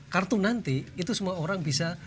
kartu nanti itu semua orang bisa